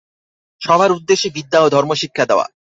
সভার উদ্দেশ্য বিদ্যা ও ধর্ম শিক্ষা দেওয়া।